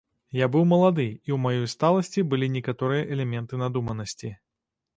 Я быў малады, і ў маёй сталасці былі некаторыя элементы надуманасці.